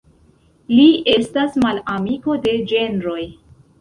Li estas malamiko de ĝenroj.